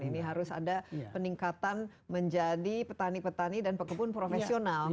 ini harus ada peningkatan menjadi petani petani dan pekebun profesional